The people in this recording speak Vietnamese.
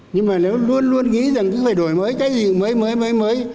nhưng mà nếu luôn luôn nghĩ rằng cứ phải đổi mới cái gì mới mới mới mới